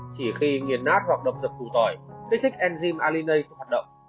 chỉ khi nghiền nát hoặc động dật phụ tỏi tích thích enzyme alinase hoạt động